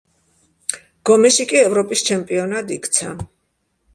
გომეში კი ევროპის ჩემპიონად იქცა.